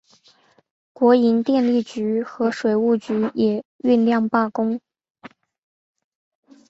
同时伊娃也很仇恨这些高层阶级的人物。